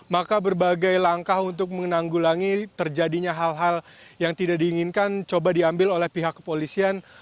maka berbagai langkah untuk menanggulangi terjadinya hal hal yang tidak diinginkan coba diambil oleh pihak kepolisian